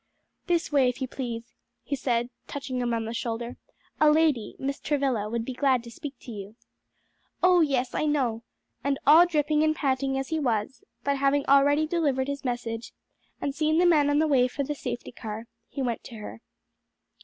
"This way, if you please," he said, touching him on the shoulder; "a lady, Miss Travilla, would be glad to speak to you." "Oh, yes! I know!" and all dripping and panting as he was, but having already delivered his message, and seen the men on the way for the safety car, he went to her.